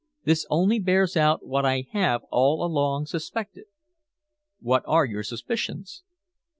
This only bears out what I have all along suspected." "What are your suspicions?"